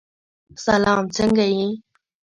سلام! څنګه یې؟